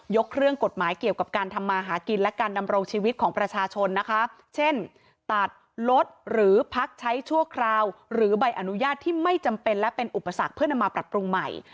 เครื่องกฎหมายเกี่ยวกับการทำมาหากินและการดำรงชีวิตของประชาชนนะคะเช่นตัดลดหรือพักใช้ชั่วคราวหรือใบอนุญาตที่ไม่จำเป็นและเป็นอุปสรรคเพื่อนำมาปรับปรุงใหม่